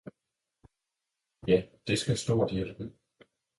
Ja, det skal stort hjælpe!